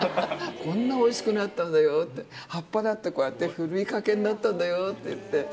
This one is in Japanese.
こんなおいしくなったのよって、葉っぱだってこうやってふりかけになったんだよって言って。